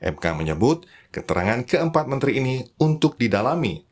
mk menyebut keterangan keempat menteri ini untuk didalami